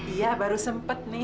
iya baru sempet nih